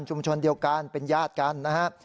ชุมชนเดียวกันเป็นญาติกันนะฮะ